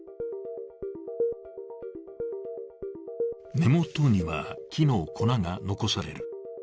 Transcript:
根元には木の粉が残される。